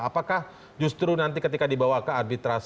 apakah justru nanti ketika dibawa ke arbitrasi